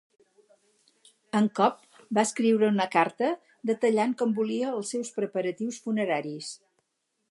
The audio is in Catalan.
En Cobb va escriure una carta detallant com volia els seus preparatius funeraris.